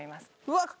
うわ。